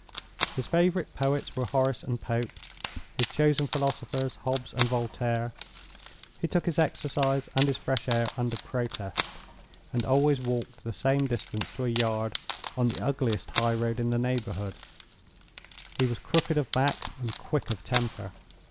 His favorite poets were Horace and Pope; his chosen philosophers, Hobbes and Voltaire. He took his exercise and his fresh air under protest; and always walked the same distance to a yard, on the ugliest high road in the neighborhood. He was crooked of back, and quick of temper.